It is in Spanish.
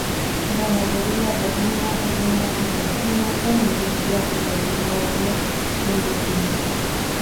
Ganadería bovina, ovina y porcina con industria relacionada de embutidos.